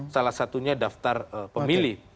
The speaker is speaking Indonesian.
salah satunya daftar pemilih